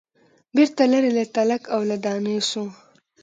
بیرته لیري له تلک او له دانې سو